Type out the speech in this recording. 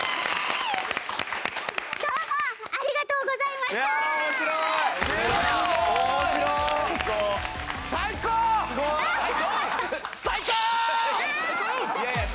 いやあありがとうございました！